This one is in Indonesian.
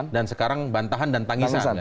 dan sekarang bantahan dan tangisan